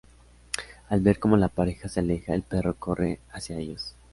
Al ver cómo la pareja se aleja, el perro corre hacia ellos.